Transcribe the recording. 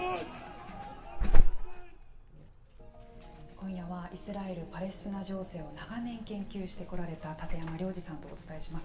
今夜はイスラエル・パレスチナ情勢を長年、研究してこられた立山良司さんとお伝えします。